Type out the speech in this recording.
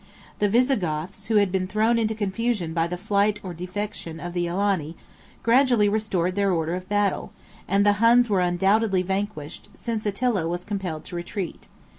The Visigoths, who had been thrown into confusion by the flight or defection of the Alani, gradually restored their order of battle; and the Huns were undoubtedly vanquished, since Attila was compelled to retreat.